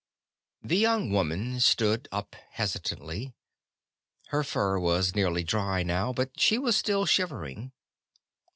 The young woman stood up hesitantly. Her fur was nearly dry now, but she was still shivering.